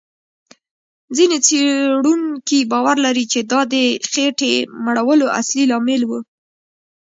ځینې څېړونکي باور لري، چې دا د خېټې مړولو اصلي لامل و.